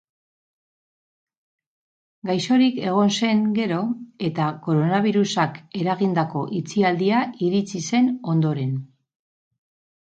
Gaixorik egon zen gero eta koronabirusak eragindako itxialdia iritsi zen ondoren.